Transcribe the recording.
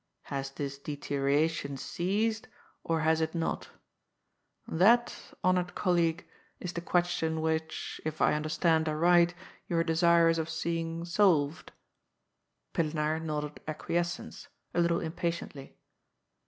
Has this deterioration ceased — or has it not? that, honoured colleague, is the question which, if I understand aright, you are desirous of DR. PILLENAAR*S BfiVENGB. f 9 seeing solved ?"— ^Pillenaar nodded acquiescence, a little im patiently.